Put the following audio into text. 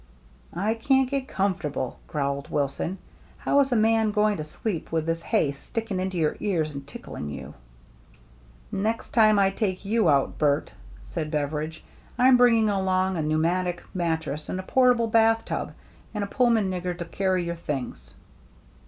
" I can't get comfortable," growled Wilson. " How is a man going to sleep with this hay sticking into your ears and tickling you ?"" Next time I take you out, Bert," said Beveridge, " I'll bring along a pneumatic mattress and a portable bath tub and a Pullman nigger to carry your things."